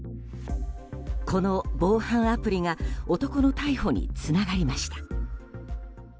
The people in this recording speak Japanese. この防犯アプリが男の逮捕につながりました。